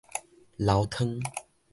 流湯